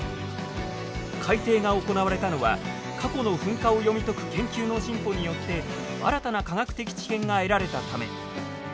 改定が行われたのは過去の噴火を読み解く研究の進歩によって新たな科学的知見が得られたため。